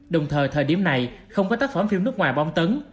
đồng thời thời điểm này không có tác phẩm phim nước ngoài bón tấn